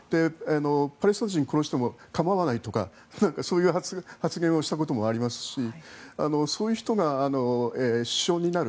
パレスチナ人を殺しても構わないとかそういう発言をしたこともありますしそういう人が首相になる。